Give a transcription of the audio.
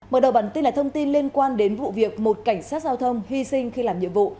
mở đầu bản tin là thông tin liên quan đến vụ việc một cảnh sát giao thông hy sinh khi làm nhiệm vụ